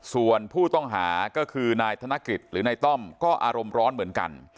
ส่วนผู้ต้องหาก็คือนายธนกฤษหรือนายต้อมก็อารมณ์ร้อนเหมือนกัน